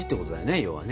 要はね。